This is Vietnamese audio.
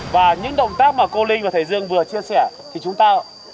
và những động tác mà cô linh và thầy dương vừa chia sẻ thì chúng ta